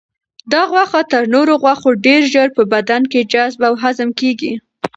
دا غوښه تر نورو غوښو ډېر ژر په بدن کې جذب او هضم کیږي.